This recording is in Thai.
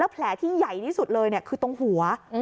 แผลที่ใหญ่ที่สุดเลยคือตรงหัว